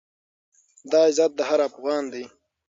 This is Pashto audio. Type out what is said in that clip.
دا عزت د هر افــــغـــــــان دی،